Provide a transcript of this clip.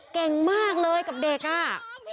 เก่งมากเลยกับเด็กอ่ะ